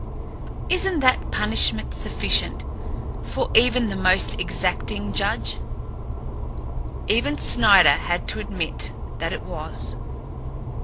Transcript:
Isn't that punishment sufficient for even the most exacting judge?" Even Snider had to admit that it was.